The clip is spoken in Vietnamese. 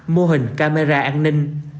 mô hình camera an ninh